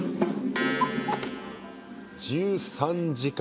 １３時間！